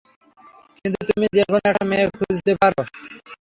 কিন্তু তুমি যেকোন এক মেয়ে খুঁজতে পারো না?